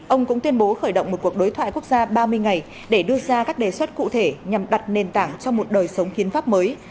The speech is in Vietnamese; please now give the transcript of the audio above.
ông cũng tuyên bố khởi động một cuộc đối thoại quốc gia ba mươi ngày để đưa ra các đề xuất cụ thể nhằm đặt nền tảng cho một đời sống hiến pháp mới